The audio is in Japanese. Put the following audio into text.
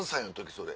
それ。